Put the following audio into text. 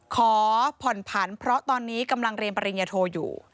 ขอผ่อนผันเพราะตอนนี้กำลังเรียนปริญญาโทอยู่